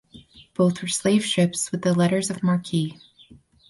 Both were slave ships with letters of marque.